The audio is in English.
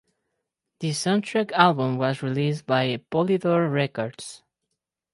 The soundtrack album was released by Polydor Records.